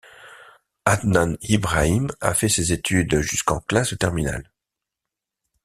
Adnan Ibrahim a fait ses études jusqu'en classe de terminale.